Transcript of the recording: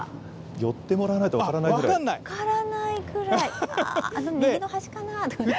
寄ってもらわないと分からないぐらい。